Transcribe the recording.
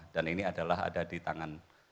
dan ini adalah ada di tangan